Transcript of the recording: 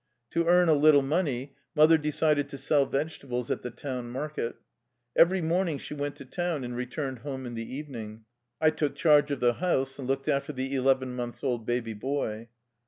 To earn a little money, mother decided to sell vegetables at the town market. Every morning she went to town and returned home in the evening. I took charge of the house and looked after the eleven months old baby boy.